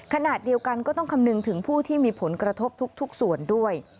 ขณะเดียวกันก็ต้องคำนึงถึงผู้ที่มีผลกระทบทุกส่วนด้วย